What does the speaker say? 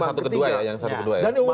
dan diumumkannya nggak ada waktu